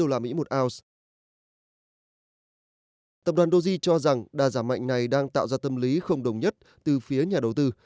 tập đoàn doge cho rằng đa giảm mạnh này đang tạo ra tâm lý không đồng nhất từ phía nhà đầu tư